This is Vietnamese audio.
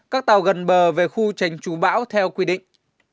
các tàu gần bờ về khu tránh chú bão theo quy định